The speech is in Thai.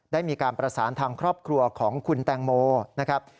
ได้มีการประสานทางครอบครัวของคุณแตงโมนะครับ